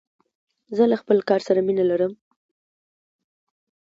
زه له خپل کار سره مینه لرم.